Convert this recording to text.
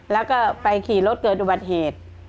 แล้วก็ไปขี่รถเกิดอุบัติเหตุ